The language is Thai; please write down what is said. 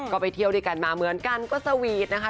ก็ไปเที่ยวด้วยกันมาเหมือนกันก็สวีทนะคะ